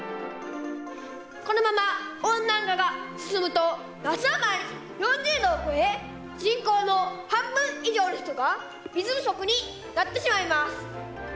このまま温暖化が進むと、夏の前に４０度を超え、人口の半分以上の人が水不足になってしまいます。